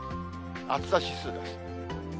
暑さ指数です。